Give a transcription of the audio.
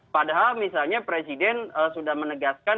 padahal misalnya presiden sudah menegaskan